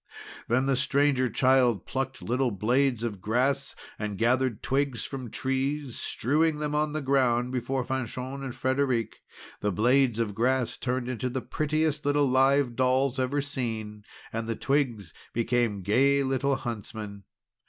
Then the Stranger Child plucked little blades of grass and gathered twigs from trees, strewing them on the ground before Fanchon and Frederic. The blades of grass turned into the prettiest little live dolls ever seen, and the twigs became gay little huntsmen.